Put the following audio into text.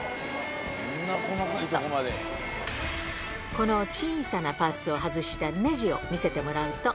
この小さなパーツを外してねじを見せてもらうと。